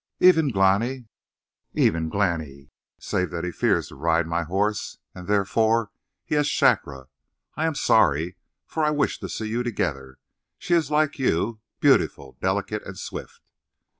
"Even Glani?" "Even Glani, save that he fears to ride my horse, and therefore he has Shakra. I am sorry, for I wish to see you together. She is like you beautiful, delicate, and swift."